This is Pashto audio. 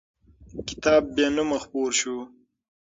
کتاب بېنومه خپور شو.